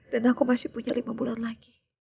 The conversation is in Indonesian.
dan aku masih punya lima bulan lagi